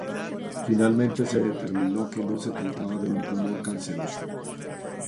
Finalmente se determinó que no se trataba de un tumor canceroso.